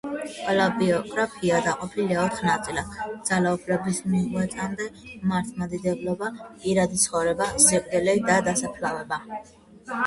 ყველა ბიოგრაფია დაყოფილია ოთხ ნაწილად: ძალაუფლების მიღწევამდე, მმართველობა, პირადი ცხოვრება, სიკვდილი და დასაფლავება.